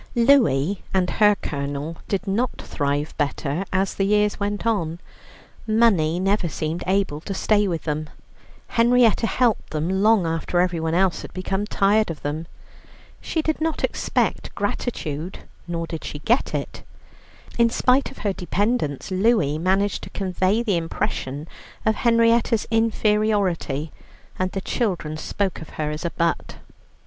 Louie and her Colonel did not thrive better as the years went on. Money never seemed able to stay with them. Henrietta helped them long after everyone else had become tired of them. She did not expect gratitude, nor did she get it. In spite of her dependence, Louie managed to convey the impression of Henrietta's inferiority, and the children spoke of her as a butt.